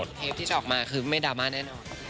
โดยปลื้มน้องเนย